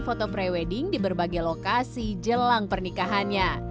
foto pre wedding di berbagai lokasi jelang pernikahannya